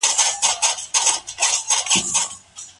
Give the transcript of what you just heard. خوب د زده کړې بهیر پیاوړی کوي.